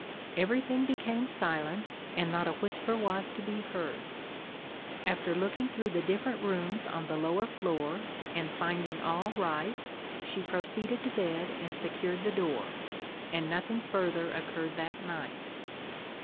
Everything became silent, and not a whisper was to be heard. After looking through the different rooms on the lower floor, and finding all right, she proceeded to bed and secured the door, and nothing further occurred that night.